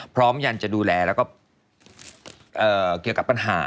ยันจะดูแลแล้วก็เกี่ยวกับปัญหา